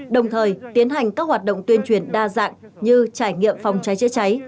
đồng thời tiến hành các hoạt động tuyên truyền đa dạng như trải nghiệm phòng cháy chữa cháy